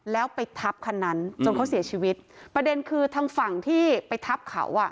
แล้วไปทับคันนั้นจนเขาเสียชีวิตประเด็นคือทางฝั่งที่ไปทับเขาอ่ะ